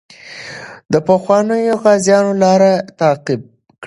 د پخوانیو غازیانو لار تعقیب کړئ.